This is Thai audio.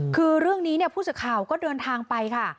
คือเรื่องนี้พูดสิทธิ์ข่าวก็เดินทางไปค่ะ